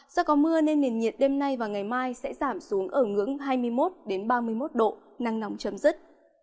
do có mưa nên nền nhiệt đêm nay và ngày mai sẽ giảm xuống ở ngưỡng hai mươi một ba mươi một độ nắng nóng chấm dứt